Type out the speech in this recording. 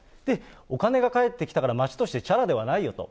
お金が返ってきたから、町としてチャラではないよと。